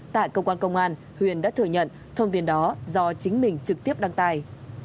tại công an công an huyền đã thừa nhận thông tin đó do chính mình trực tiếp đăng tài